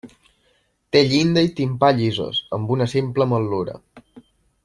Té llinda i timpà llisos, amb una simple motllura.